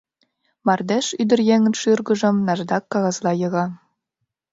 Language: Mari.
Мардеж ӱдыръеҥын шӱргыжым наждак кагазла йыга.